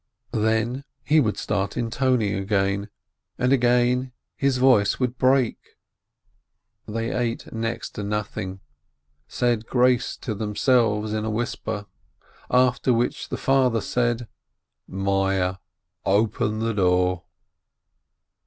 Then he would start intoning again, and again his voice would break. They ate next to nothing, said grace to themselves in a whisper, after which the father said : "Meyer, open the door!"